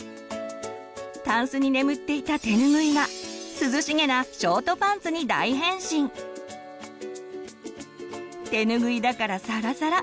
たんすに眠っていたてぬぐいが涼しげなショートパンツに大変身！てぬぐいだからサラサラ！